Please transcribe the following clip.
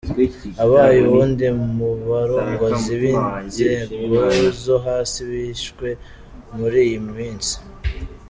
Abaye uwundi mu barongozi b'inzego zo hasi bishwe muri iyi minsi.